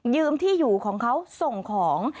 ที่อยู่ของเขาส่งของ